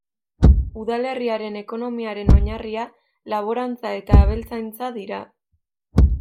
Udalerriaren ekonomiaren oinarria laborantza eta abeltzaintza dira.